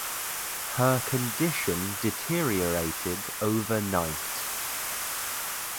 Her condition deteriorated overnight.